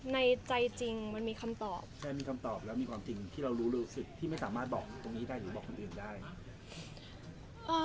ในใจจริงมันมีคำตอบใช่มีคำตอบแล้วมีความจริงที่เรารู้สึกที่ไม่สามารถบอกตรงนี้ได้หรือบอกคนอื่นได้